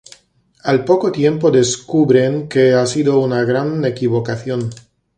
Al poco tiempo, descubren que ha sido una gran equivocación.